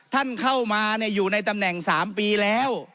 ท่านเข้ามาอยู่ในตำแหน่ง๓ปีแล้ว